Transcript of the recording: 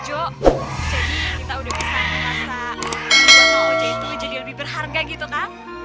jadi kita udah bisa merasa uangnya sama mang ojo itu jadi lebih berharga gitu kang